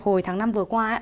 hồi tháng năm vừa qua